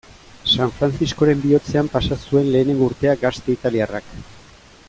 San Frantziskoren bihotzean pasa zuen lehengo urtea gazte italiarrak.